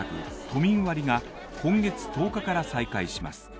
都民割が今月１０日から再開します。